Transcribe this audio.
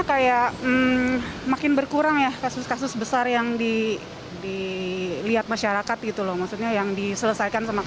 kayak makin berkurang ya kasus kasus besar yang dilihat masyarakat gitu loh maksudnya yang diselesaikan sama